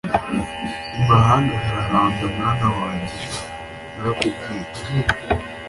imahanga harahanda mwana wanjye narakubwiye